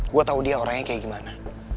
gue tau dia orangnya kayak gimana